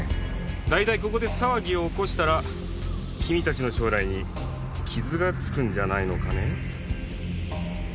だいたいここで騒ぎを起こしたら君たちの将来に傷が付くんじゃないのかね？